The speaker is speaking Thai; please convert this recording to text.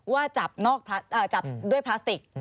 ว่าจับด้วยพลาสติก